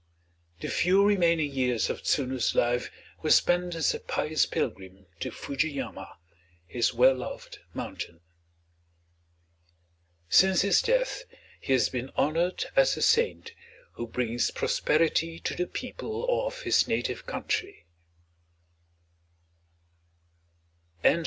The few remaining years of Tsunu's life were spent as a pious pilgrim to Fuji yama, his well loved mountain. Since his death he has been honored as a saint who brings prosperity to the people of his native country.